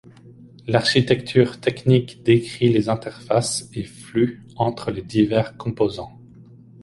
L'architecture technique décrit les interfaces et flux entre les divers composants.